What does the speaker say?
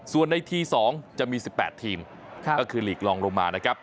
ส่วนในที๒จะมี๑๘ทีมก็คือหลีกลองลงมานะครับ